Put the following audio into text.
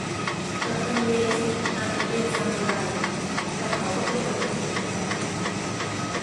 กัปตันเวสท์อาจจะเป็นซามูไร แต่เขาก็เป็นมนุษย์เหมือนกัน